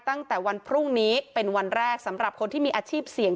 ตั้งแต่วันพรุ่งนี้เป็นวันแรกสำหรับคนที่มีอาชีพเสี่ยง